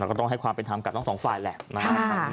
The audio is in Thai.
ก็ต้องให้ความเป็นธรรมกับทั้งสองฝ่ายแหละนะครับ